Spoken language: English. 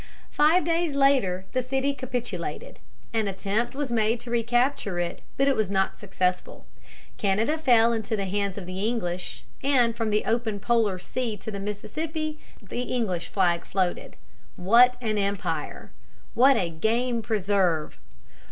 Five days later the city capitulated. An attempt was made to recapture it, but it was not successful. Canada fell into the hands of the English, and from the open Polar Sea to the Mississippi the English flag floated. What an empire! What a game preserve!